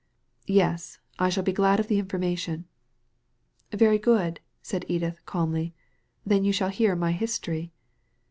''Yes, I shall be glad of the information." " Very good," said Edith, calmly ;'' then you shall hear my history."